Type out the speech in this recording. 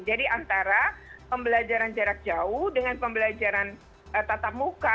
jadi antara pembelajaran jarak jauh dengan pembelajaran tatap muka